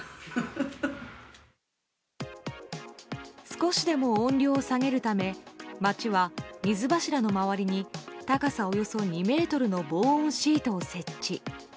少しでも音量を下げるため町は水柱の周りに高さおよそ２ｍの防音シートを設置。